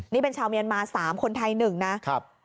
นี่เป็นชาวเมียนมา๓คนไทย๑นะครับ